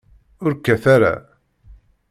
Ur kkat ara.